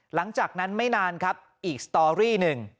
หลังจากนั้นไม่นานครับอีกสตอรี่หนึ่ง